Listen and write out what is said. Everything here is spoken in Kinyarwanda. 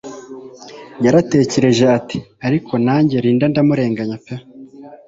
yaratekereje ati ariko nanjye Linda ndamurenganya pe